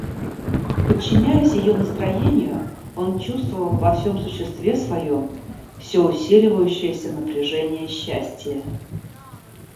Подчиняясь ее настроению, он чувствовал во всем существе своем всё усиливающееся напряжение счастия.